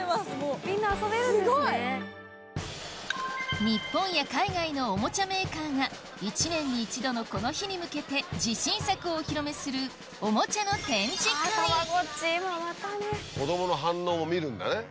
もうすごい！日本や海外のおもちゃメーカーが１年に１度のこの日に向けて自信作をお披露目する子供の反応を見るんだね。